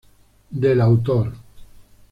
Del autor